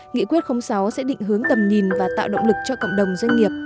nghị quyết sáu sẽ định hướng tầm nhìn và tạo động lực cho cộng đồng doanh nghiệp